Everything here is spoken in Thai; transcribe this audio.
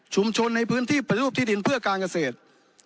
ชุมชนในพื้นที่ประทบที่ดินเพื่อการเกษตร